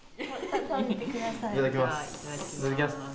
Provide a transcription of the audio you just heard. いただきます。